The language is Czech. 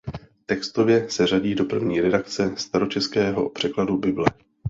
Textově se řadí do první redakce staročeského překladu Bible.